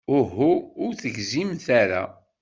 Uhu, ur tegzimt ara.